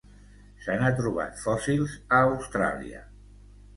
Se n'ha trobat fòssils a Austràlia.